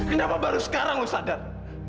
kenapa baru sekarang mau sadar